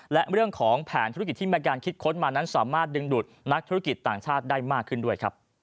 และเรื่องของแผนธุรกิจที่มีการคิดค้นมานั้นสามารถดึงดูดนักธุรกิจต่างชาติได้มากขึ้นด้วยครับ